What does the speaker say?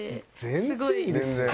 全然いいですよ。